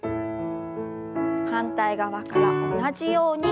反対側から同じように。